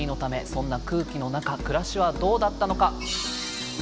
そんな空気の中暮らしはどうだったのか。